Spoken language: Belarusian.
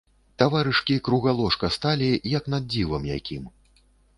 Таварышкі круга ложка сталі, як над дзівам якім.